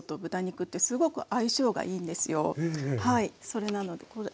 それなのでこれ。